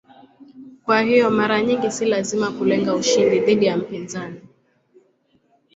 Kwa hiyo mara nyingi si lazima kulenga ushindi dhidi ya mpinzani.